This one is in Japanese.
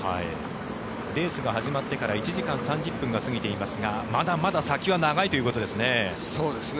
レースが始まってから１時間３０分が過ぎていますがまだまだ先は長いということですね。